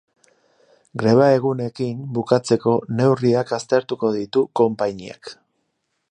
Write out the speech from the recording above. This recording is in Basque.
Greba-egunekin bukatzeko neurriak aztertuko ditu konpainiak.